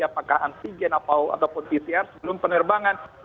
apakah antigen atau pcr sebelum penerbangan